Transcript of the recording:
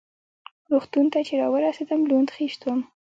روغتون ته چې را ورسېدم لوند خېشت وم.